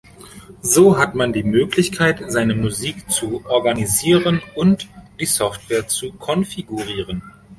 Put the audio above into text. So hat man die Möglichkeit, seine Musik zu organisieren und die Software zu konfigurieren.